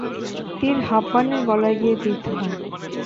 তীর হাব্বানের গলায় গিয়ে বিদ্ধ হয়।